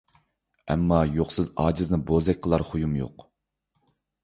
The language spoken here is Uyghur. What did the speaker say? ئەمما يوقسىز ئاجىزنى ،بوزەك قىلار خۇيۇم يوق.